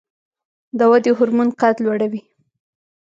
د ودې هورمون قد لوړوي